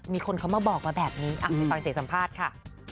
มีคนเขามาบอกมาแบบนี้ไปฟังเสียงสัมภาษณ์ค่ะ